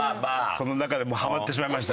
その中でもハマってしまいました。